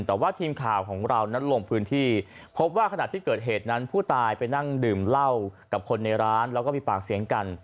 แต่ว่าทีมข่าวของเรานั้นลงพื้นที่พบว่าขณะที่เกิดเหตุนั้นผู้ตายไปนั่งดื่มเหล้ากับคนในร้านแล้วก็มีปากเสียงกัน